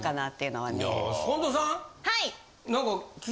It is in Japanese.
はい。